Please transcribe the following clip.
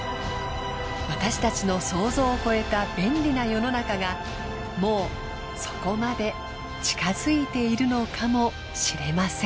私たちの想像を超えた便利な世の中がもうそこまで近づいているのかもしれません。